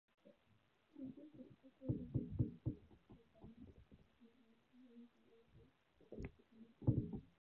研究显示社会阶级和社会地位在英国是两样相互影响又各有不同的事物。